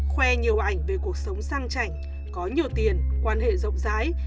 khoe nhiều ảnh về cuộc sống sang chảnh có nhiều tiền quan hệ rộng rãi